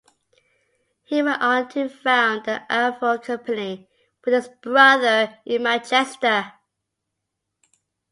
He went on to found the Avro Company, with his brother, in Manchester.